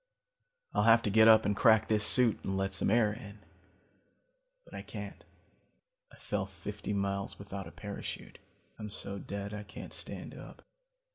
"I'll have to get up and crack this suit and let some air in. But I can't. I fell fifty miles without a parachute. I'm dead so I can't stand up."